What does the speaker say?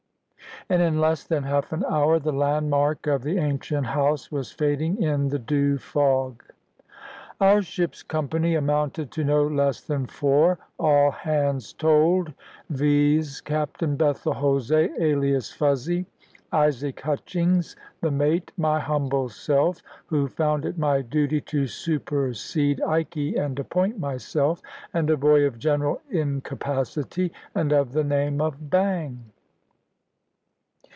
And in less than half an hour the landmark of the ancient house was fading in the dew fog. Our ship's company amounted to no less than four, all hands told viz., Captain Bethel Jose, alias Fuzzy; Isaac Hutchings, the mate; my humble self (who found it my duty to supersede Ikey and appoint myself); and a boy of general incapacity, and of the name of "Bang."